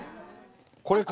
これか。